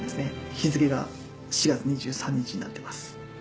日付が４月２３日になってます。